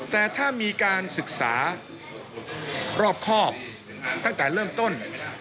แต่ถ้ามีการศึกษารอบครอบตั้งแต่เริ่มต้น